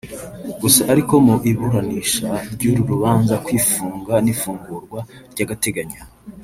Gusa ariko mu iburanisha ry’uru rubanza kw’ifunga n’ifungurwa ry’agateganyo